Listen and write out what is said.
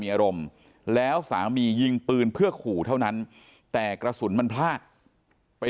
มีอารมณ์แล้วสามียิงปืนเพื่อขู่เท่านั้นแต่กระสุนมันพลาดไป